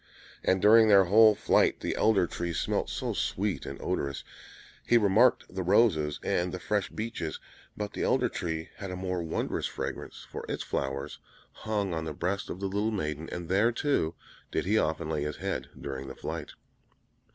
And during their whole flight the Elder Tree smelt so sweet and odorous; he remarked the roses and the fresh beeches, but the Elder Tree had a more wondrous fragrance, for its flowers hung on the breast of the little maiden; and there, too, did he often lay his head during the flight.